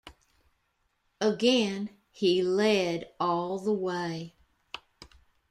Again he led all the way.